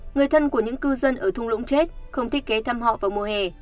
người thân của những cư dân ở thung lũng chết không thiết kế thăm họ vào mùa hè